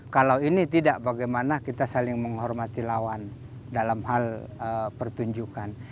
kalau ini tidak bagaimana kita saling menghormati lawan dalam hal pertunjukan